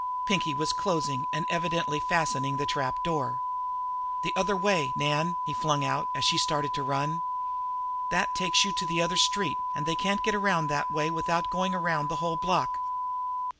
Pinkie was closing, and evidently fastening, the trap door. "The other way, Nan!" he flung out, as she started to run. "That takes you to the other street, an' they can't get around that way without goin' around the whole block.